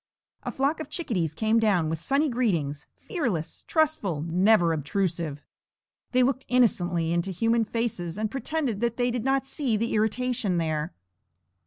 A flock of chickadees came down with sunny greetings, fearless, trustful, never obtrusive. They looked innocently into human faces and pretended that they did not see the irritation there.